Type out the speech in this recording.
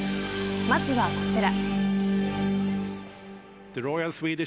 まずはこちら。